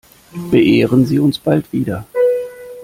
Beehren Sie uns bald wieder!